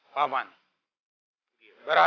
yang akan ke istana